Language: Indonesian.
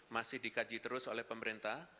masih dikaji terus oleh pemerintah